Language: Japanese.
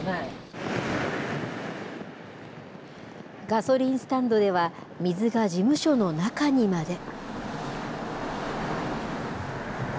ガソリンスタンドでは、水が事務所の中にまで。